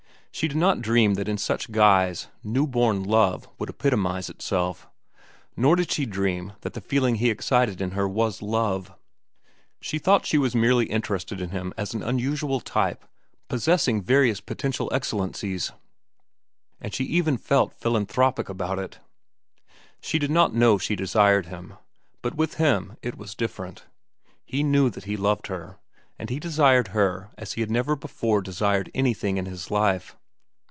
She did not dream that in such guise new born love would epitomize itself. Nor did she dream that the feeling he excited in her was love. She thought she was merely interested in him as an unusual type possessing various potential excellencies, and she even felt philanthropic about it. She did not know she desired him; but with him it was different. He knew that he loved her, and he desired her as he had never before desired anything in his life.